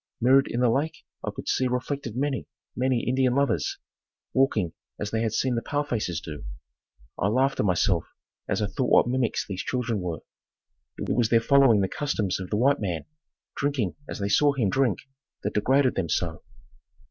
Mirrored in the lake I could see reflected many, many Indian lovers walking as they had seen the pale faces do. I laughed to myself as I thought what mimics these children were. It was their following the customs of the white man, drinking as they saw him drink, that degraded them so.